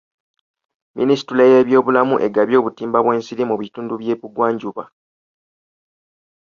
Minisitule y'ebyobulamu egabye obutimba bw'ensiri mu kitundu ky'ebugwanjuba.